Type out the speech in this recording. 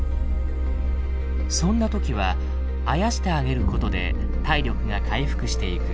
そんな時はあやしてあげることで体力が回復していく。